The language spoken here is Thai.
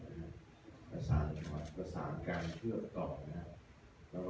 ภายคำภาษาคณะภายคำภาษาการเชื่อตอบนะครับ